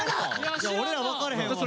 俺ら分かれへんわそれ。